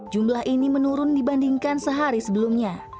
jumlah ini menurun dibandingkan sehari sebelumnya